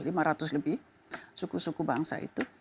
lima ratus lebih suku suku bangsa itu